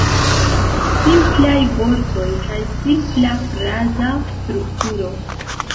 Simplaj vortoj kaj simpla fraza strukturo.